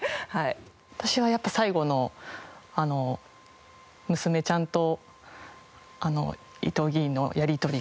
私はやっぱり最後の娘ちゃんと伊藤議員のやり取りが。